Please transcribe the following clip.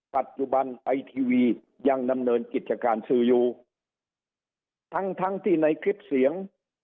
ปัจจุบันไอทีวียังดำเนินกิจการสื่ออยู่ทั้งทั้งที่ในคลิปเสียง